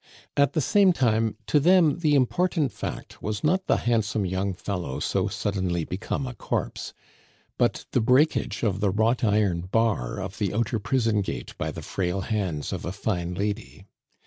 At the same time, to them the important fact was not the handsome young fellow so suddenly become a corpse, but the breakage of the wrought iron bar of the outer prison gate by the frail hands of a fine lady.